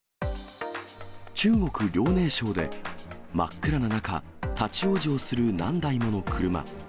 中国・遼寧省で、真っ暗な中、立往生する何台もの車。